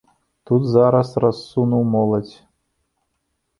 Тут зараз рассунуў моладзь.